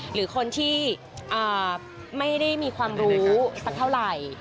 หรือคนที่ไม่ได้มีความรู้สักเท่าไหร่